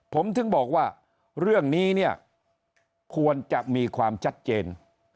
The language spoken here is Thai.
ผมถึงบอกว่าเรื่องนี้เนี่ยควรจะมีความชัดเจน